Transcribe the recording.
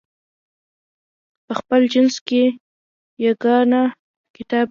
په خپل جنس کې یګانه کتاب دی.